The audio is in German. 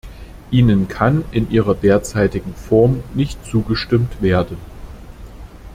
Ihnen kann in ihrer derzeitigen Form nicht zugestimmt werden.